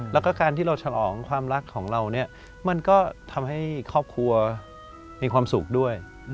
แล้วก็การที่เราฉลองความรักของเราเนี่ยมันก็ทำให้ครอบครัวมีความสุขด้วย